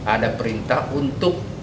ada perintah untuk